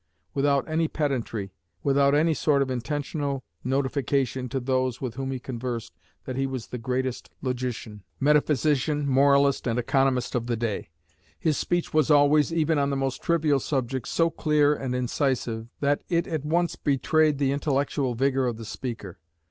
Without any pedantry, without any sort of intentional notification to those with whom he conversed that he was the greatest logician, metaphysician, moralist, and economist of the day, his speech was always, even on the most trivial subjects, so clear and incisive, that it at once betrayed the intellectual vigor of the speaker.